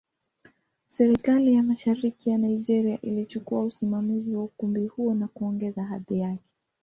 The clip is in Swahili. Serikali ya Mashariki ya Nigeria ilichukua usimamizi wa ukumbi huo na kuongeza hadhi yake.